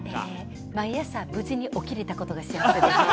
毎朝、無事に起きれたことが幸せです。